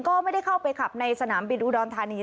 ก็ไม่ได้เข้าไปขับในสนามบินอุดรธานี